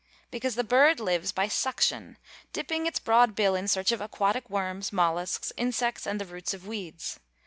_ Because the bird lives by suction, dipping its broad bill in search of aquatic worms, mollusks, insects and the roots of weeds.